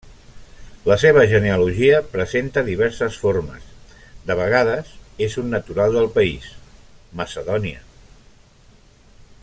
La seva genealogia presenta diverses formes: de vegades és un natural del país, Macedònia.